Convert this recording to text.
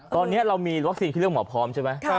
ตอนนี้เรามีวัคซีนที่เรียกหมอพร้อมใช่ปะ